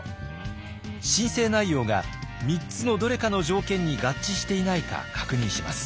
申請内容が３つのどれかの条件に合致していないか確認します。